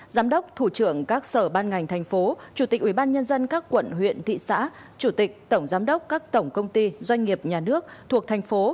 giám đốc thủ trưởng các sở ban ngành thành phố chủ tịch ubnd các quận huyện thị xã chủ tịch tổng giám đốc các tổng công ty doanh nghiệp nhà nước thuộc thành phố